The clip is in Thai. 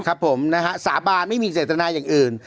ครับผมนะฮะสาบานไม่มีเจตนาอย่างอื่น